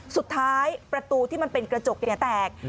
สุดท้ายประตูที่มันเป็นกระจกแตก